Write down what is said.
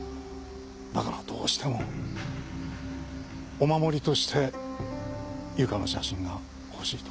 だからどうしてもお守りとして由香の写真が欲しいと。